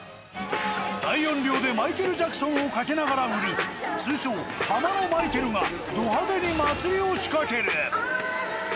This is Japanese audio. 大音量でマイケル・ジャクソンをかけながら売る、通称、ハマのマイケルが、ど派手に祭りを仕掛ける。